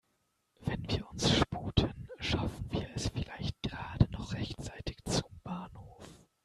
Wenn wir uns sputen, schaffen wir es vielleicht gerade noch rechtzeitig zum Bahnhof.